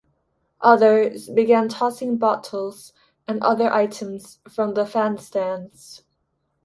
Others began tossing bottles and other items from the fan stands.